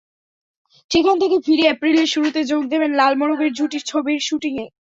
সেখান থেকে ফিরে এপ্রিলের শুরুতে যোগ দেবেন লাল মোরগের ঝুঁটি ছবির শুটিংয়ে।